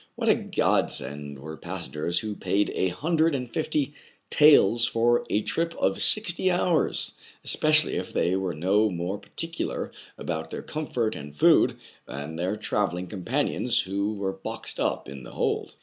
What a godsend were passengers who paid a hundred and fifty taels for a trip of sixty hours ! especially if they were no more particular about their comfort and food than their travelling companions who were boxed up in the hold.